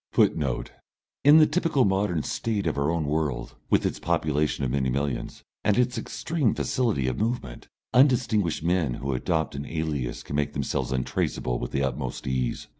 [Footnote: In the typical modern State of our own world, with its population of many millions, and its extreme facility of movement, undistinguished men who adopt an alias can make themselves untraceable with the utmost ease.